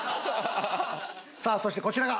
さあそしてこちらが。